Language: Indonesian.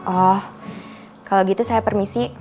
oh kalau gitu saya permisi